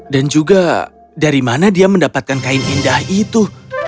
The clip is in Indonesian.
dan juga dari mana dia mendapatkan kain indah itu